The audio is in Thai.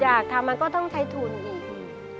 อยากทำมันก็ต้องใช้ทุนอีก